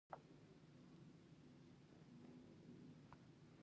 خو ببۍ مې معلوموله.